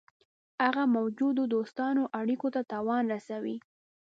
هغه موجودو دوستانه اړېکو ته تاوان رسوي.